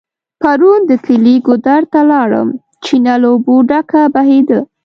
پرون د کلي ګودر ته لاړم .چينه له اوبو ډکه بهيده